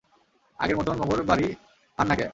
আগের মতোন মোগোর বাড়ি আন না ক্যা?